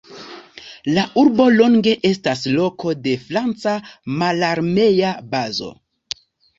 La urbo longe estas loko de franca mararmea bazo.